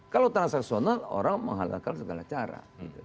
kalau transaksional orang menghalalkan segala cara